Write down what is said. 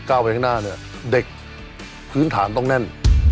ไปข้างหน้าเนี่ยเด็กพื้นฐานต้องแน่น